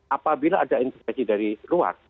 apabila ada inspeksi dari luar